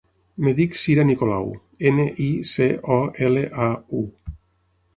Em dic Cira Nicolau: ena, i, ce, o, ela, a, u.